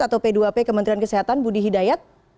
atau p dua p kementerian kesehatan budi hidayat